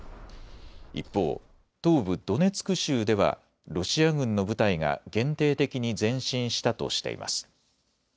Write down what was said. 一方、東部ドネツク州ではロシア軍の部隊が限定的に前進したとしています。